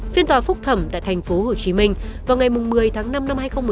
phiên tòa phúc thẩm tại thành phố hồ chí minh vào ngày một mươi tháng năm năm hai nghìn một mươi ba